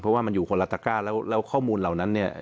เพราะว่ามันอยู่คนละตะก้าแล้วแล้วข้อมูลเหล่านั้นเนี่ย